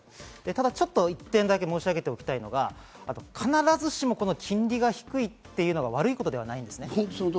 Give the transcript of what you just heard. ただ、一点だけ申し上げておきたいのが必ずしもこの金利が低いというのが悪いことではないんです。